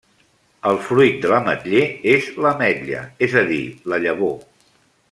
El fruit de l'ametller és l'ametlla, és a dir, la llavor.